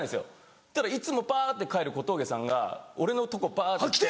そしたらいつもぱって帰る小峠さんが俺のとこぱって来て。